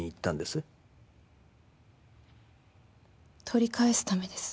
取り返すためです。